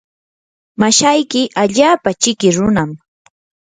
mashayki allaapa chiki runam.